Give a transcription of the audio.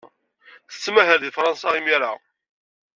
Tettmahal deg Fṛansa imir-a.